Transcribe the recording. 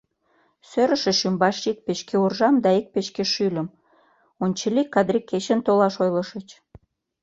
Сӧрышыч ӱмбачше ик печке уржам да ик печке шӱльым, ончылий Кадри кечын толаш ойлышыч.